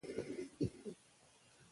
ولې شاهانو د هغې غم ونه کړ؟